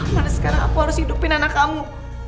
mana sekarang aku harus hidupin anak kamu